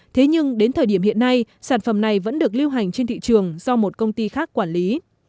thế nhưng đến thời điểm hiện nay sản phẩm này vẫn được lưu hành trên thị trường do một công ty khác quản lý